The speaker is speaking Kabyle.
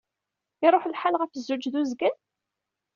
Iṛuḥ lḥal ɣef zzuǧ ed uzgen?